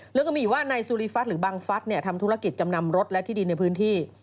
เรื่องก็มีว่าในสุริฟัสหรือบังฟัสเนี่ยทำธุรกิจจำนำรถและที่ดินในพื้นที่